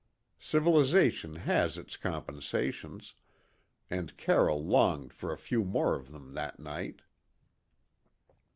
Civilisation has its compensations, and Carroll longed for a few more of them that night.